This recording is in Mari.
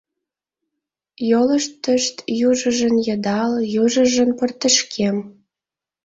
Йолыштышт южыжын йыдал, южыжын портышкем.